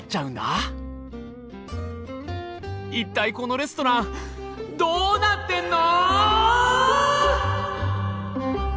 一体このレストランどうなってんの！